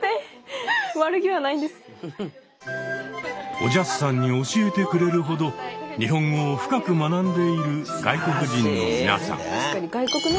おじゃすさんに教えてくれるほど日本語を深く学んでいる外国人の皆さん。